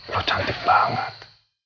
lo cantik banget